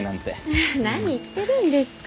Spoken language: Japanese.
何言ってるんですか？